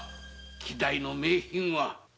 希代の名品は。